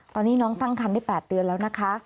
ตอนนี้น้องตั้งคันได้๘เดือนแล้วนะคะ